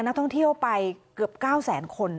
นักท่องเที่ยวไปเกือบ๙แสนคน